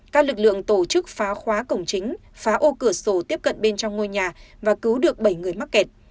các lực lượng tổ chức phá khóa cổng chính phá ô cửa sổ tiếp cận bên trong ngôi nhà và cứu được bảy người mắc kẹt